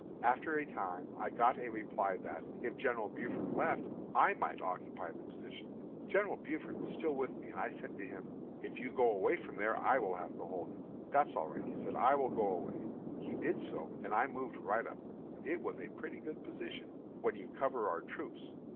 After a time I got a reply that, if General Buford left, I might occupy the position. General Buford was still with me, and I said to him, 'If you go away from there I will have to hold it.' 'That's all right,' said he, 'I will go away.' He did so, and I moved right up. It was a pretty good position when you cover your troops.